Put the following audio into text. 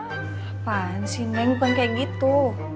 apaan sih neng pengen kayak gitu